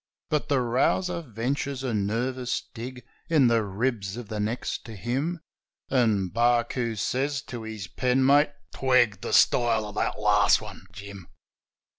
But the rouser ventures a nervous dig In the ribs of the next to him ; And Barcoo says to his pen mate :' Twig ' The style of the last un, Jim.'